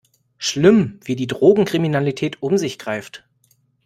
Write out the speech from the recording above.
Schlimm, wie die Drogenkriminalität um sich greift!